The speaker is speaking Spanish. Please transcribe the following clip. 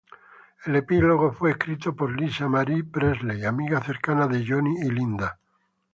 El epílogo fue escrito por Lisa Marie Presley, amiga cercana de Johnny y Linda.